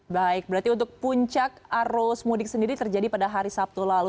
baik berarti untuk puncak arus mudik sendiri terjadi pada hari sabtu lalu